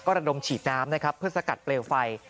ระดมฉีดน้ำนะครับเพื่อสกัดเปลวไฟ